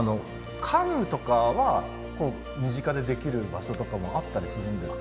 カヌーとかは身近でできる場所とかもあったりするんですか？